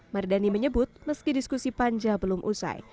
mardani menyebut meski diskusi panja belum usai